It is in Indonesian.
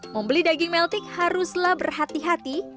membeli daging meltik haruslah berhati hati